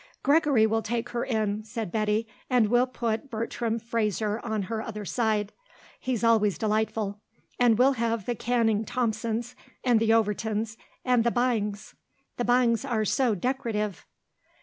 "Gregory will take her in," said Betty; "and we'll put Bertram Fraser on her other side. He's always delightful. And we'll have the Canning Thompsons and the Overtons and the Byngs; the Byngs are so decorative!"